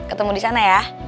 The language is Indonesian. ketemu di sana ya